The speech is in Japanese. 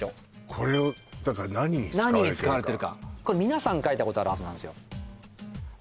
これをだから何に使われてるか何に使われてるかこれ皆さん書いたことあるはずなんすよま